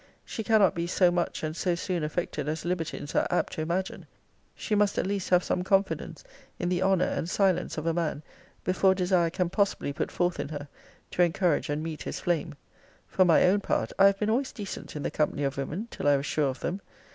She cannot be so much and so soon affected as libertines are apt to imagine. She must, at least, have some confidence in the honour and silence of a man, before desire can possibly put forth in her, to encourage and meet his flame. For my own part, I have been always decent in the company of women, till I was sure of them.